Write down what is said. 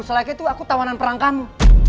setelah itu aku tawanan perang kamu